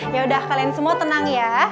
yaudah kalian semua tenang ya